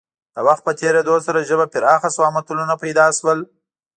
د وخت په تېرېدو سره ژبه پراخه شوه او متلونه پیدا شول